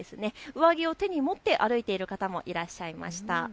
上着を手に持って歩いている方もいらっしゃいました。